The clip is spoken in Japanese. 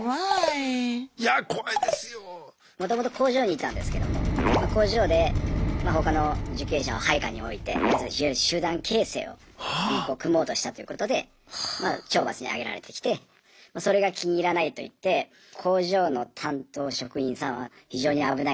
もともと工場にいたんですけども工場で他の受刑者を配下に置いて要するに集団形成を組もうとしたっていうことで懲罰に上げられてきてそれが気に入らないといって工場の担当職員さんは非常に危ない目に遭って。